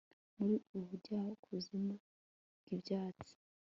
Muri ubujyakuzimu bwibyatsi